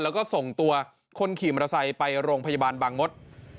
แล้วก็ส่งตัวคนขี่มอเตอร์ไซค์ไปโรงพยาบาลบางมศ